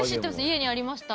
家にありました。